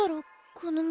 この道。